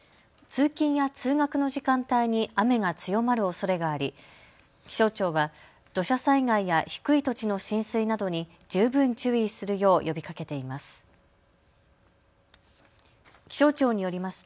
通勤や通学の時間帯に雨が強まるおそれがあり気象庁は土砂災害や低い土地の浸水などに十分注意するよう呼びかけています。